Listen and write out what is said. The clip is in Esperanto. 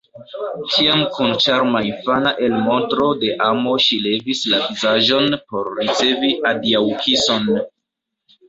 Tiam kun ĉarma infana elmontro de amo ŝi levis la vizaĝon por ricevi adiaŭkison.